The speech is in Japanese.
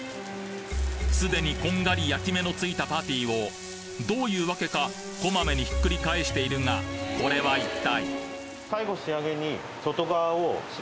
既にこんがり焼き目の付いたパティをどういうわけかこまめにひっくり返しているがこれは一体？